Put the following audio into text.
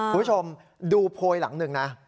คุณผู้ชมดูโพยหลังหนึ่งนะ